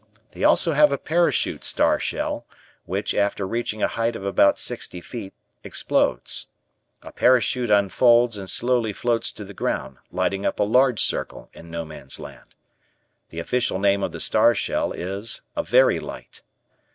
They also have a parachute star shell which, after reaching a height of about sixty feet, explodes. A parachute unfolds and slowly floats to the ground, lighting up a large circle in No Man's Land. The official name of the star shell is a "Very light."